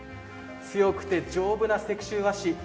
強くて丈夫な石州和紙